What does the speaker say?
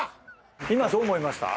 今どう思いました？